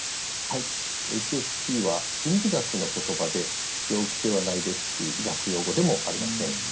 ＨＳＰは心理学の言葉で病気ではないですし医学用語でもありません。